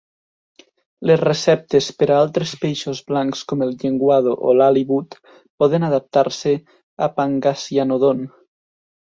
Les receptes per a altres peixos blancs com el llenguado o l'halibut poden adaptar-se a "pangasianodon".